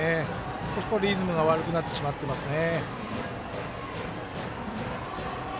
少しリズムが悪くなってしまってますね。